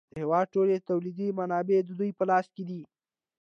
د هېواد ټولې تولیدي منابع د دوی په لاس کې دي